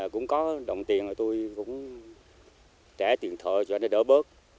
cũng có đồng tiền tôi cũng trả tiền thợ cho nó đỡ bớt